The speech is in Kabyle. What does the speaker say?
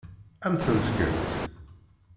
Ad m-tent-fkent?